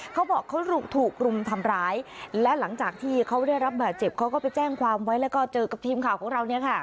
เขาบอกเขาถูกรุมทำร้ายและหลังจากที่เขาได้รับบาดเจ็บเขาก็ไปแจ้งความไว้แล้วก็เจอกับทีมข่าวของเราเนี่ยค่ะ